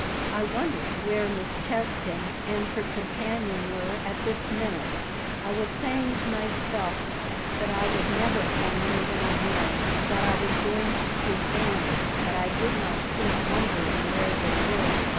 I wondered where Miss Tevkin and her companion were at this minute. I was saying to myself that I would never come near them again, that I was going to see Fanny; but I did not cease wondering where they were.